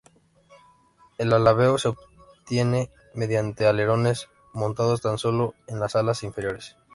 El alabeo se obtenía mediante alerones montados tan sólo en las alas inferiores.